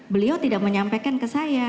beliau tidak menyampaikan ke saya